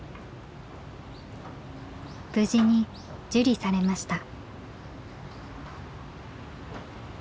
無事に受理されました。